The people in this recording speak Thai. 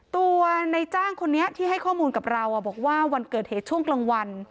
ตัวในจ้างคนนี้ที่ให้ข้อมูลกับเราบอกว่าวันเกิดเหตุช่วงกลางวัน